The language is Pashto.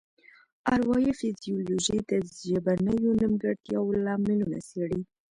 اروايي فزیولوژي د ژبنیو نیمګړتیاوو لاملونه څیړي